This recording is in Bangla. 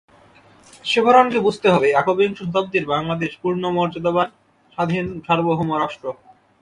শেভরনকে বুঝতে হবে একবিংশ শতাব্দীর বাংলাদেশ পূর্ণ মর্যাদাবান স্বাধীন স্বার্বভৌম রাষ্ট্র।